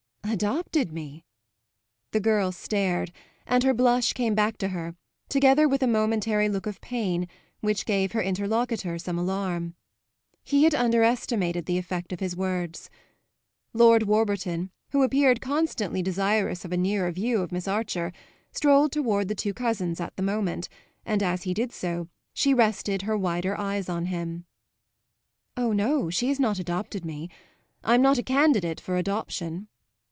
"Adopted me?" The girl stared, and her blush came back to her, together with a momentary look of pain which gave her interlocutor some alarm. He had underestimated the effect of his words. Lord Warburton, who appeared constantly desirous of a nearer view of Miss Archer, strolled toward the two cousins at the moment, and as he did so she rested her wider eyes on him. "Oh no; she has not adopted me. I'm not a candidate for adoption."